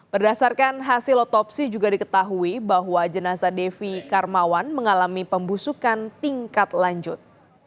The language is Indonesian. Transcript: berdasarkan hasil otopsi juga diketahui bahwa jenazah devi karmawan mengalami pembusukan tingkat lanjut